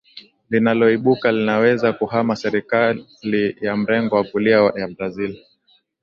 linaloibuka linaweza kuhama serikali ya mrengo wa kulia ya Brazil